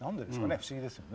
不思議ですよね。